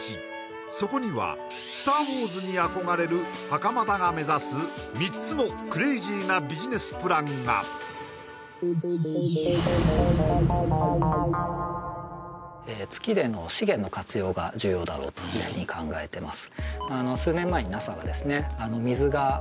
そこには「スター・ウォーズ」に憧れる袴田が目指す３つのクレイジーなビジネスプランがだろうというふうに考えてますんではないかというふうに考えてます